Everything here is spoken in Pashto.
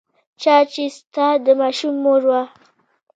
چا چې ستا د ماشوم مور وه.